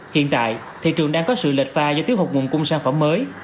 hiện tại thị trường đang có sự lệch pha do thiếu hụt nguồn cung sản phẩm mới